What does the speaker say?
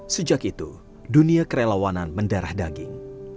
sejak itu dunia kerelawanan mendarah daging